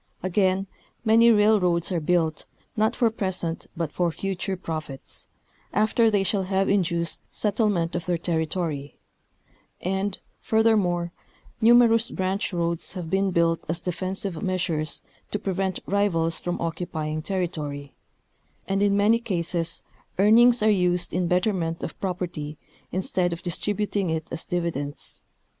Again, many railroads are built, not for present but for future profits, after they shall have induced settlement of their territory; and, furthermore, numerous branch roads have been built as defensive measures to prevent rivals from occupying territory ; and in many cases earnings are used in betterment of propert}' instead of distributing it as dividends.